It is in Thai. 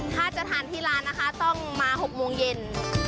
ถ้าจะทานที่ร้านนะคะต้องมา๖โมงเย็น